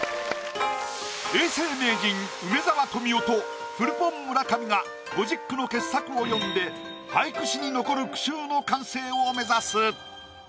永世名人梅沢富美男とフルポン村上が５０句の傑作を詠んで俳句史に残る句集の完成を目指す。